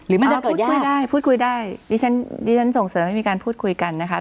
หรือมันจะเกิดยากพูดคุยได้ดิฉันส่งเสริมไม่มีการพูดคุยกันนะคะ